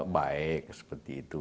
baik seperti itu